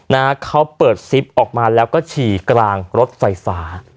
นะฮะเขาเปิดซิปออกมาแล้วก็ฉี่กลางรถไฟฟ้า